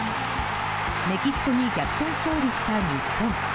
メキシコに逆転勝利した日本。